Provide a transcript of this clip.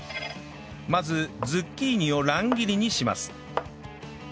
まずズッキーニを乱切りにします